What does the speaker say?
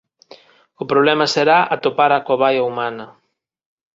O problema será atopar á cobaia humana.